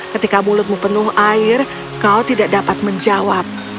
ketika mulutmu penuh air kau tidak dapat menjawab